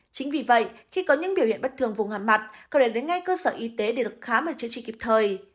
chính vì vậy khi có những biểu hiện bất thường vùng hàm mặt có thể đến ngay cơ sở y tế để được khám và điều trị kịp thời